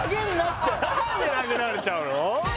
何で投げられちゃうの？